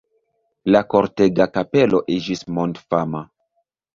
La Kortega kapelo iĝis mondfama.